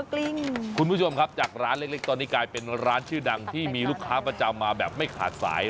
กลิ้งคุณผู้ชมครับจากร้านเล็กตอนนี้กลายเป็นร้านชื่อดังที่มีลูกค้าประจำมาแบบไม่ขาดสาย